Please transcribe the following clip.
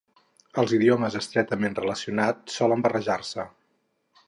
Els idiomes estretament relacionats solen barrejar-se.